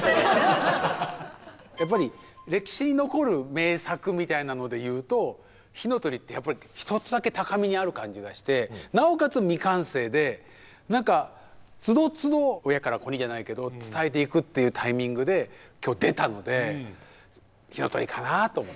やっぱり歴史に残る名作みたいなので言うと「火の鳥」ってやっぱり一つだけ高みにある感じがしてなおかつ未完成で何かつどつど親から子にじゃないけど伝えていくっていうタイミングで今日出たので「火の鳥」かなと思って。